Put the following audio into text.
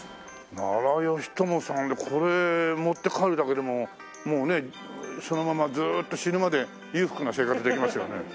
奈良美智さんってこれ持って帰るだけでももうねそのままずーっと死ぬまで裕福な生活できますよね。